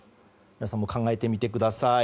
皆さんも考えてみてください。